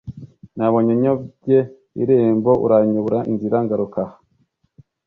Nabonye nyobye irembo uranyobora inzira ngaruka aha.